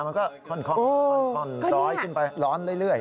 มันก็ค่อนร้อยขึ้นไปร้อนเรื่อย